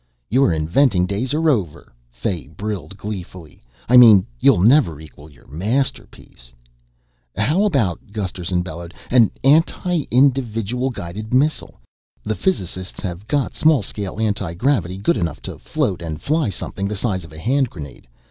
"Your inventing days are over," Fay brilled gleefully. "I mean, you'll never equal your masterpiece." "How about," Gusterson bellowed, "an anti individual guided missile? The physicists have got small scale antigravity good enough to float and fly something the size of a hand grenade.